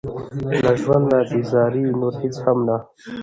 له ژونده بېزاري نور هېڅ هم نه.